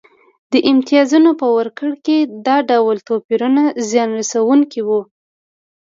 د امتیازونو په ورکړه کې دا ډول توپیرونه زیان رسونکي وو